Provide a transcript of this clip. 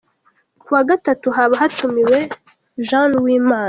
Ku wa Gatatu: Haba hatumiwe Janne Uwimana.